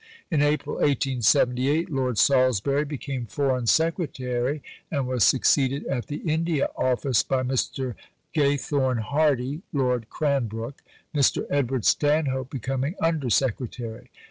In April 1878 Lord Salisbury became Foreign Secretary, and was succeeded at the India Office by Mr. Gathorne Hardy (Lord Cranbrook), Mr. Edward Stanhope becoming Under Secretary.